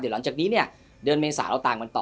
เดี๋ยวหลังจากนี้เดินเมษาเราตามมาต่อ